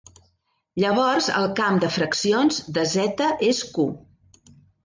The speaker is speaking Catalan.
Llavors el camp de fraccions de Z és Q.